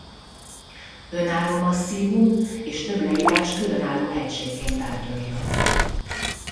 Önálló masszívum és több leírás különálló hegységként tárgyalja.